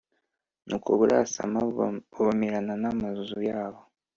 nuko burasama bubamirana n ab amazu yabo